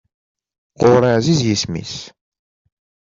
Ɣur-i ɛziz yisem-is.